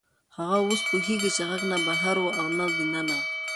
هغه اوس پوهېږي چې غږ نه بهر و او نه دننه.